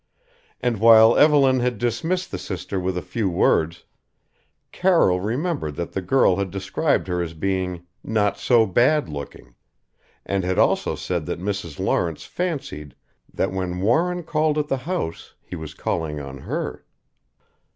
And while Evelyn had dismissed the sister with a few words, Carroll remembered that the girl had described her as being "not so bad looking" and had also said that Mrs. Lawrence fancied that when Warren called at the house, he was calling on her.